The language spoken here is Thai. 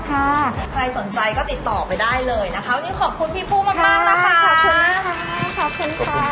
ใครสนใจก็ติดต่อไปได้เลยนะคะวันนี้ขอบคุณพี่ผู้มากมากนะคะขอบคุณค่ะ